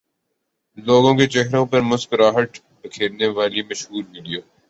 لوگوں کے چہروں پر مسکراہٹ بکھیرنے والی مشہور ویڈیو